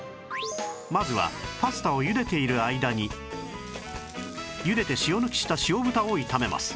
まずはパスタをゆでている間にゆでて塩抜きした塩豚を炒めます